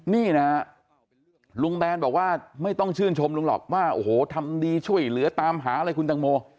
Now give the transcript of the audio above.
นี่นะฮะลุงแบนบอกว่าไม่ต้องชื่นชมลุงหรอกว่าโอ้โหทำดีช่วยเหลือตามหาอะไรคุณตังโม